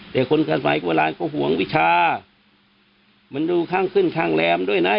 แต่คนสมัยโบราณเขาห่วงวิชามันดูข้างขึ้นข้างแรมด้วยนะ